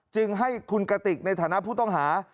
จึงให้คุณกติกในฐานะผู้ต้องหา